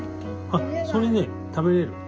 あっそれね食べれる。